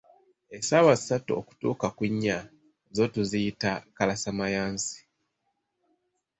Essaawa ssatu okutuuka ku nnya, zo tuziyita kalasa mayanzi.